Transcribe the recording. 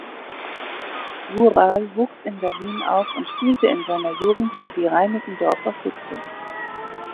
Vural wuchs in Berlin auf und spielte in seiner Jugend für die Reinickendorfer Füchse.